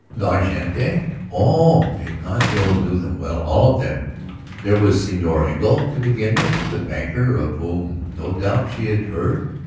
La gente? Oh, Ignacio knew them well, all of them! There was Señor Engle, to begin with. The banker of whom no doubt she had heard?